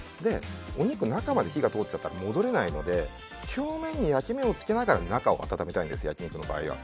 お肉、中まで火が通っちゃったら戻れないので表面に焼き目をつけながら中を温めたいんです、焼き肉の場合は。